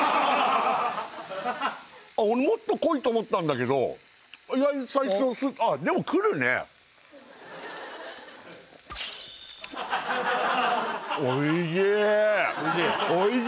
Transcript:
俺もっと濃いと思ったんだけど意外に最初スッでもくるねおいしい？